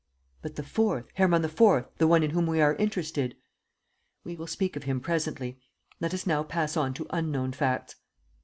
"But the fourth, Hermann IV., the one in whom we are interested?" "We will speak of him presently. Let us now pass on to unknown facts."